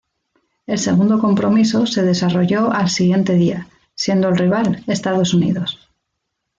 El segundo compromiso se desarrolló al siguiente día, siendo el rival Estados Unidos.